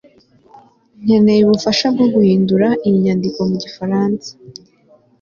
nkeneye ubufasha bwo guhindura iyi nyandiko mu gifaransa